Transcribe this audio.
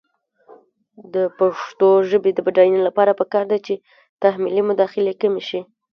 د پښتو ژبې د بډاینې لپاره پکار ده چې تحمیلي مداخلې کمې شي.